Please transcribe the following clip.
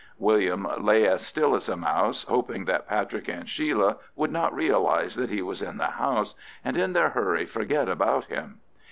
William lay as still as a mouse, hoping that Patrick and Sheila would not realise that he was in the house, and in their hurry forget about him.